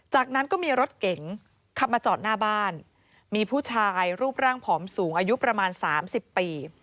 จากนั้นก็มีรถเก๋งขับมาจอดหน้าบ้านมีผู้ชายรูปร่างผอมสูงอายุประมาณ๓๐ปี